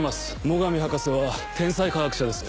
最上博士は天才科学者です。